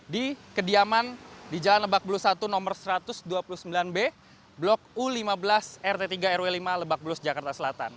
di kediaman di jalan lebak bulus satu no satu ratus dua puluh sembilan b blok u lima belas rt tiga rw lima lebak bulus jakarta selatan